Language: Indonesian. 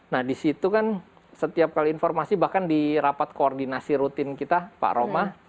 nah disitu kan setiap kali informasi bahkan di rapat koordinasi rutin kita pak roma